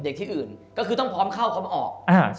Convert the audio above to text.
ที่อื่นก็คือต้องพร้อมเข้าพร้อมออก